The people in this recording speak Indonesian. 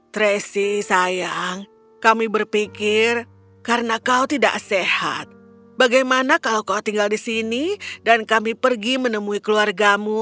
tracy sayang kami berpikir karena kau tidak sehat bagaimana kalau kau tinggal di sini dan kami pergi menemui keluargamu